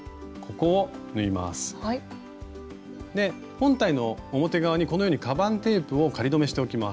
本体の表側にこのようにかばんテープを仮留めしておきます。